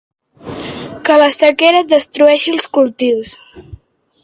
Que la sequera et destrueixi els cultius.